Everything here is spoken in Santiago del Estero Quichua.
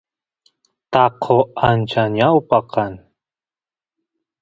taqo ancha ñawpa kan